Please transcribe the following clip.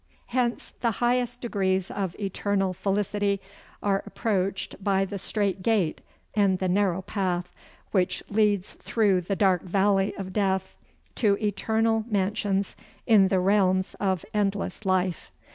Hence, the highest degrees of eternal felicity are approached by the straight gate, and the narrow path which leads through the dark valley of death, to eternal mansions in the realms of endless life.